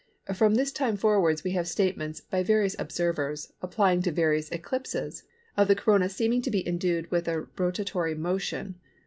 From this time forwards we have statements, by various observers, applying to various eclipses, of the Corona seeming to be endued with a rotatory motion.